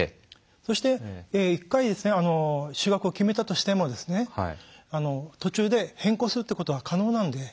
そして一回就学を決めたとしても途中で変更するってことは可能なので。